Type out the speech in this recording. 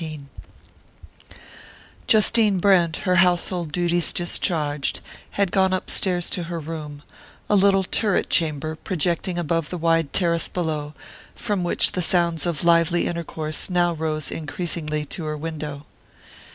XIV JUSTINE BRENT, her household duties discharged, had gone upstairs to her room, a little turret chamber projecting above the wide terrace below, from which the sounds of lively intercourse now rose increasingly to her window.